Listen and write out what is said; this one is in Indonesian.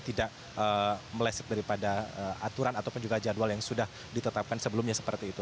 tidak meleset daripada aturan ataupun juga jadwal yang sudah ditetapkan sebelumnya seperti itu